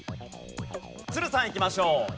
都留さんいきましょう。